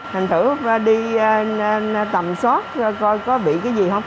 thành thử đi tầm soát coi có bị cái gì không